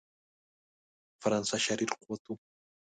فرانسه شریر قوت وو.